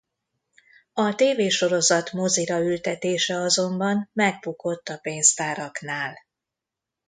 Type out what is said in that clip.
A tévésorozat mozira ültetése azonban megbukott a pénztáraknál.